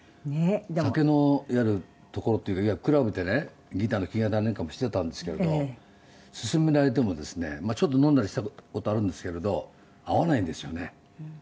酒のいわゆる所っていうかクラブでねギターの弾き語りなんかもしていたんですけれど勧められてもですねちょっと飲んだりした事あるんですけれど合わないんですよね。